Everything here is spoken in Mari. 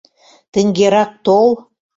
Тыҥгерак тол.